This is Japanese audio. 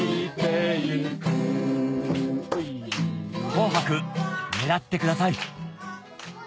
『紅白』狙ってください